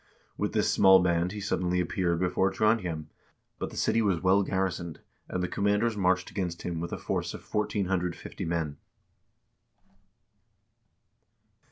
With this small band he suddenly ap peared before Trondhjem ; but the city was well garrisoned, and the commanders marched against him with a force of 1450 men.